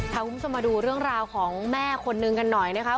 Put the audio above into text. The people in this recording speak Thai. พาคุณผู้ชมมาดูเรื่องราวของแม่คนนึงกันหน่อยนะคะ